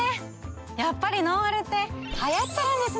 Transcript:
やっぱりノンアルって流行ってるんですね。